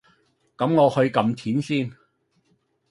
咁我去㩒錢先